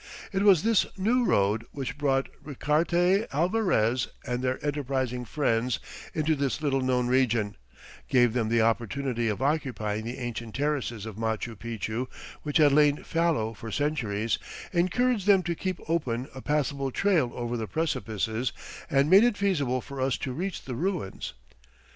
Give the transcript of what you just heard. It was this new road which brought Richarte, Alvarez, and their enterprising friends into this little known region, gave them the opportunity of occupying the ancient terraces of Machu Picchu, which had lain fallow for centuries, encouraged them to keep open a passable trail over the precipices, and made it feasible for us to reach the ruins.